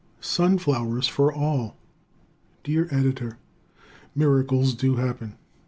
Sunflowers for All Dear Editor: Miracles do happen!